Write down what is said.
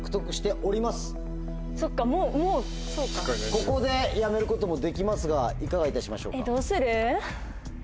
ここでやめることもできますがいかがいたしましょうか？